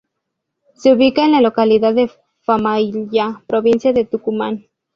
Se ubica en la localidad de Famaillá, Provincia de Tucumán.